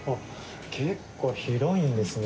結構広いんですね。